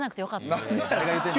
誰が言うてんの。